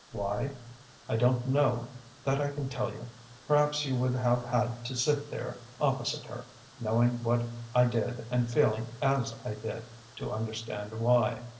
Why? I don't know that I can tell you. Perhaps you would have had to sit there opposite her, knowing what I did and feeling as I did, to understand why.